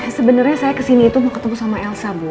sebenarnya saya kesini itu mau ketemu sama elsa bu